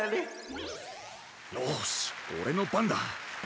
よしオレのばんだ！